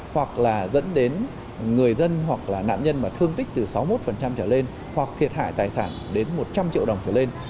hoặc là dẫn đến người dân hoặc là nạn nhân mà thương tích từ sáu mươi một trở lên hoặc thiệt hại tài sản đến một trăm linh triệu đồng trở lên